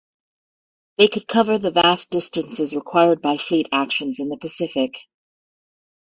They could cover the vast distances required by fleet actions in the Pacific.